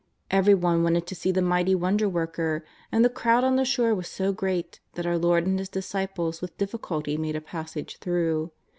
Everyone wanted to see the mighty Wonderworker, and the crowd on the shore was so great that our Lord and His dis ciples with difficulty made a passage through.